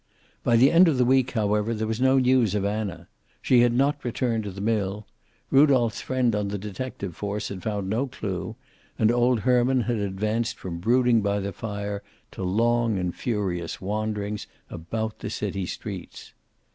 By the end of the week, however, there was no news of Anna. She had not returned to the mill. Rudolph's friend on the detective force had found no clew, and old Herman had advanced from brooding by the fire to long and furious wanderings about the city streets.